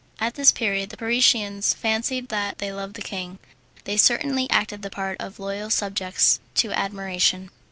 At this period the Parisians fancied that they loved the king. They certainly acted the part of loyal subjects to admiration.